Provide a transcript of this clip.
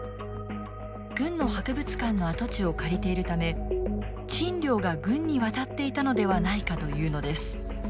軍の博物館の跡地を借りているため賃料が軍に渡っていたのではないかというのです。